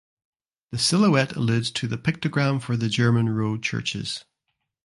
The silhouette alludes to the pictogram for the German road churches.